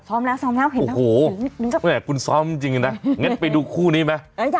โอ้โหคุณซ้อมจริงนะงั้นไปดูคู่นี้ไหม